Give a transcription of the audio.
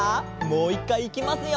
もう１かいいきますよ。